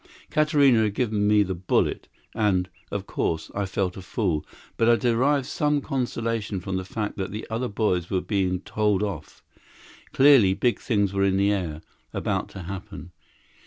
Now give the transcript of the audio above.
Katarina had given me the bullet, and, of course, I felt a fool; but I derived some consolation from the fact that the other boys were being told off. Clearly, big things were in the air, about to happen.